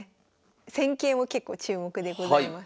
戦型も結構注目でございます。